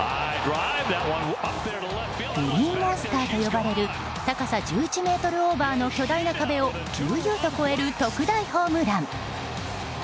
グリーンモンスターと呼ばれる高さ１１ｍオーバーの巨大な壁を悠々と越える特大ホームラン。